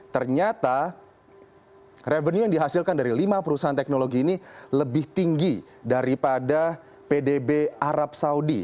ternyata revenue yang dihasilkan dari lima perusahaan teknologi ini lebih tinggi daripada pdb arab saudi